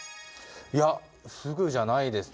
いやすぐじゃないですね。